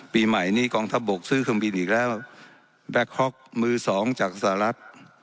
ปีใหม่นี้กองทัพบกซื้อเครื่องบินอีกแล้วแบ็คฮ็อกมือสองจากสหรัฐ